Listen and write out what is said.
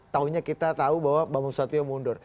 tahunya kita tahu bahwa bambang susatyo mundur